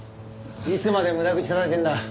いつまで無駄口たたいてるんだ。